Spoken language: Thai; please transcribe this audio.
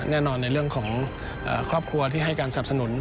แน่นอนในเรื่องของครอบครัวที่ให้การสนับสนุน